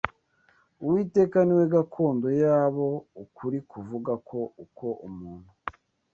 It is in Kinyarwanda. Uwiteka ni we gakondo yabo Ukuri kuvuga ko uko umuntu